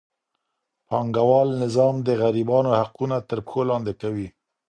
پانګه وال نظام د غریبانو حقونه تر پښو لاندي کوي.